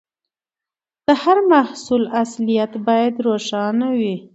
د هر محصول اصليت باید روښانه وي.